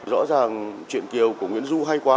rõ ràng chuyện kiều của nguyễn du hay quá